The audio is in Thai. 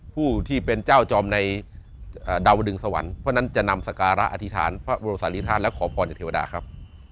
ผู้ที่เป็นเจ้าจอมในดาวดึงสวรรค์เพราะฉะนั้นจะนำสการะอธิษฐานพระบรมศาลีธาตุและขอพรจากเทวดาครับ